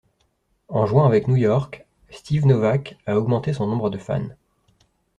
En jouant avec New York, Steve Novak a augmenté son nombre de fans.